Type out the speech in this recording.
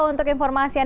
untuk informasi ini